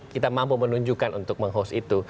kita mampu menunjukkan untuk meng host itu